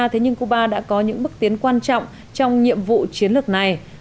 thế nhưng cuba đã có những bước tiến quan trọng trong nhiệm vụ chiến lược này